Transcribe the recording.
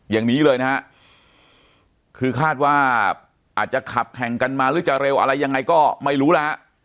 อย่างนี้เลยนะฮะคือคาดว่าอาจจะขับแข่งกันมาหรือจะเร็วอะไรยังไงก็ไม่รู้แล้ว